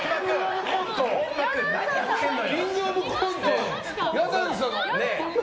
「キングオブコント」の。